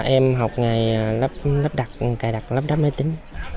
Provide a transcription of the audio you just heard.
em học ngày cài đặt lắp đắp máy tính